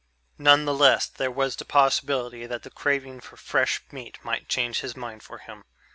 Nonetheless, there was the possibility that the craving for fresh meat might change his mind for him.